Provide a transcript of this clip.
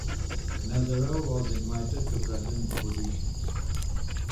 Nazarov was invited to present the positions.